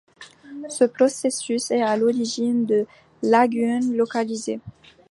Ce processus est à l'origine de lagunes localisées.